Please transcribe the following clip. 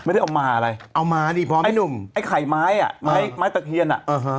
ไม่ได้เอามาอะไรไข่ไม้ไม้ตะเคียน